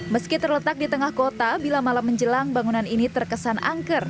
meski terletak di tengah kota bila malam menjelang bangunan ini terkesan angker